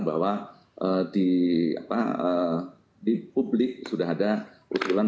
bahwa di publik sudah ada usulan